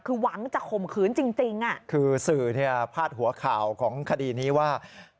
คือหวังจะข่มขืนจริงคือสื่อพลาดหัวข่าวของคดีนี้ว่า